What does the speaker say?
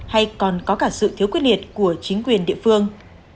hay còn có cả sự thiếu quyết liệt của chính quyền địa phương